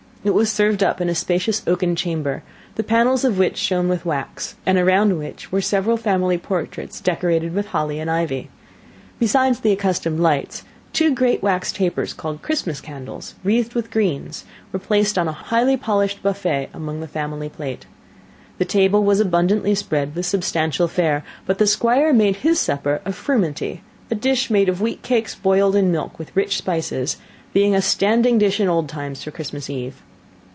It was served up in a spacious oaken chamber, the panels of which shone with wax, and around which were several family portraits decorated with holly and ivy. Beside the accustomed lights, two great wax tapers, called Christmas candles, wreathed with greens, were placed on a highly polished buffet among the family plate. The table was abundantly spread with substantial fare; but the Squire made his supper of frumenty, a dish made of wheat cakes boiled in milk with rich spices, being a standing dish in old times for Christmas eve.